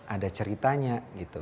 ada ceritanya gitu